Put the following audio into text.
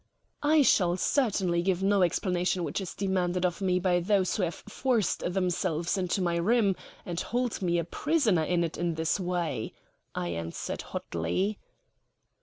"I shall certainly give no explanation which is demanded of me by those who have forced themselves into my room and hold me a prisoner in it in this way," I answered hotly.